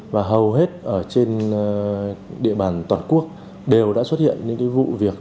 và hầu hết ở trên địa bàn toàn quốc đều đã xuất hiện những vụ việc